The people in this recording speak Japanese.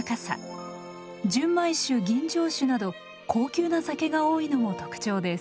純米酒吟醸酒など高級な酒が多いのも特徴です。